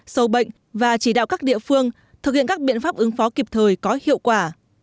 sâu bệnh và chỉ đạo các địa phương thực hiện các biện pháp ứng phó kịp thời có hiệu quả